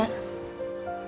itu bukan salah kamu